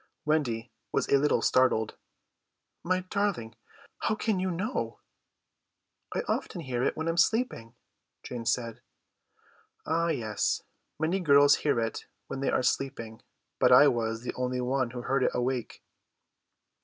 Wendy was a little startled. "My darling, how can you know?" "I often hear it when I am sleeping," Jane said. "Ah yes, many girls hear it when they are sleeping, but I was the only one who heard it awake."